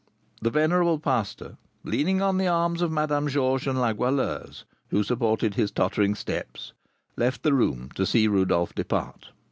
The venerable pastor, leaning on the arms of Madame Georges and La Goualeuse, who supported his tottering steps, left the room to see Rodolph depart.